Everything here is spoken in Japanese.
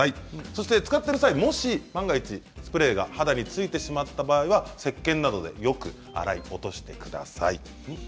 そして使っている際もし万が一スプレーは肌に付いてしまった場合は、せっけんなどでよく洗い落としてください。